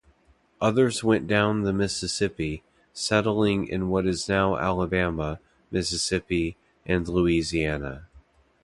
Others went down the Mississippi, settling in what is now Alabama, Mississippi and Louisiana.